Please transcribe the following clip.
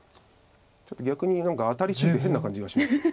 ちょっと逆に何か当たり過ぎて変な感じがします。